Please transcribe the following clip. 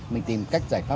mình tìm cách giải pháp